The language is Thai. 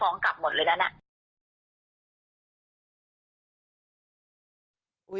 มันจะส่งยังไง